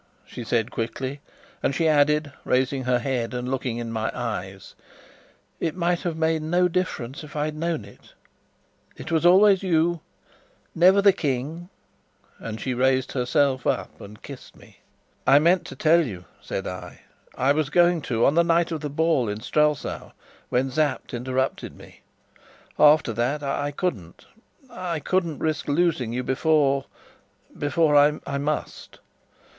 she said quickly; and she added, raising her head and looking in my eyes: "It might have made no difference if I'd known it. It was always you, never the King!" "I meant to tell you," said I. "I was going to on the night of the ball in Strelsau, when Sapt interrupted me. After that, I couldn't I couldn't risk losing you before before I must!